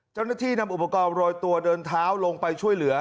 นำอุปกรณ์โรยตัวเดินเท้าลงไปช่วยเหลือ